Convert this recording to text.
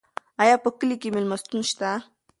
ایا په کلي کې مېلمستون شته؟